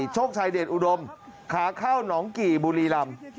โชคชายเดชอุดมขาเข้าหนองกี่บุรีรำ